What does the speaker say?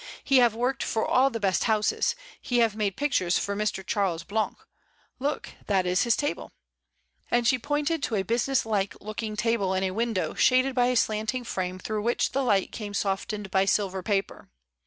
"He have worked for all the best houses; he have made pic tures for Mr. Charles Blanc. Look, that is his table," and she pointed to a business like looking table in a window shaded by a slanting fi ame through which the light came softened by silver paper.